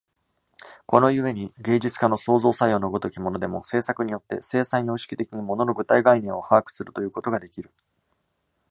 この故に芸術家の創造作用の如きものでも、制作によって生産様式的に物の具体概念を把握するということができる。